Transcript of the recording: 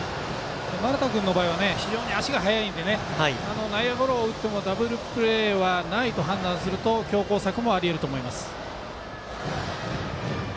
丸田君の場合は足も速いので内野ゴロを打ってもダブルプレーはないと判断すると強攻策もありえると思います。